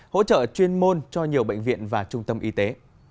hỗ trợ chuyên môn cho nhiều bệnh viện và trung tâm y tế